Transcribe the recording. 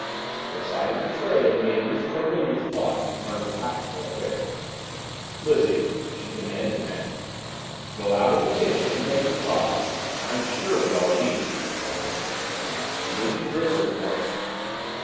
The sight of the tray had made Miss Cornelia's thoughts return to practical affairs. "Lizzie," she commanded now, "go out in the kitchen and make some coffee. I'm sure we all need it," she sighed. Lizzie bristled at once.